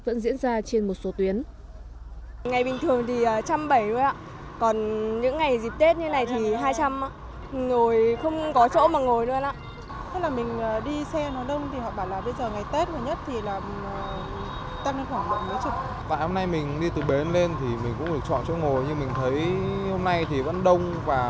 hành khách vẫn diễn ra trên một số tuyến